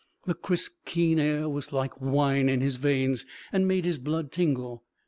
The crisp keen air was like wine in his veins and made his blood tingle.